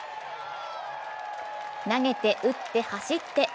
投げて、打って、走って。